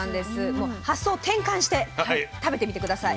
もう発想を転換して食べてみて下さい。